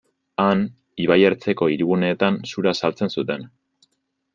Han, ibaiertzeko hiriguneetan zura saltzen zuten.